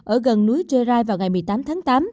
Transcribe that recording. ở gần núi cherai vào ngày một mươi tám tháng tám